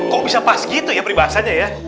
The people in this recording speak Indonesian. kalau bisa pas gitu ya peribahasanya ya